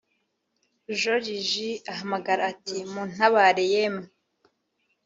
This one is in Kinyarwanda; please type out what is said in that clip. Joriji ahamagara ati:” muntabare yemwe?